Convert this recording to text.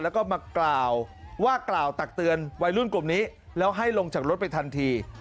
แล้วก็มากล่าวว่ากล่าวตักเตือนวัยรุ่นกลุ่มนี้แล้วให้ลงจากรถไปทันที